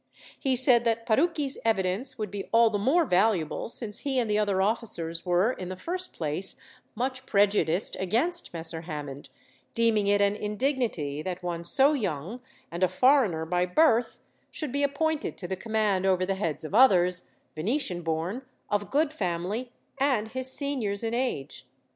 He said that Parucchi's evidence would be all the more valuable, since he and the other officers were in the first place much prejudiced against Messer Hammond, deeming it an indignity that one so young, and a foreigner by birth, should be appointed to the command over the heads of others, Venetian born, of good family, and his seniors in age.